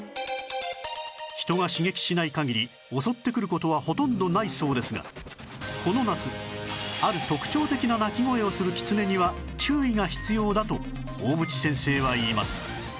人が刺激しない限り襲ってくる事はほとんどないそうですがこの夏ある特徴的な鳴き声をするキツネには注意が必要だと大渕先生は言います